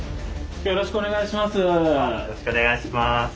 よろしくお願いします。